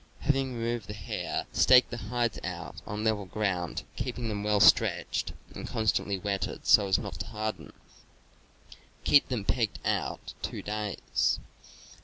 Having removed the hair, stake the hides out on level ground, keeping them well stretched and constantly wetted so as not to harden; keep them pegged out two days.